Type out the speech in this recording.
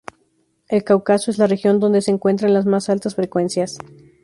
El Cáucaso es la región donde se encuentran las más altas frecuencias.